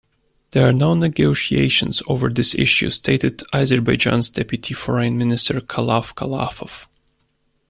There are no negotiations over this issue, stated Azerbaijan's deputy foreign minister Khalaf Khalafov.